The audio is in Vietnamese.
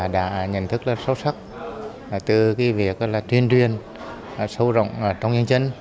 đã nhận thức sâu sắc từ việc tuyên truyền sâu rộng trong nhân dân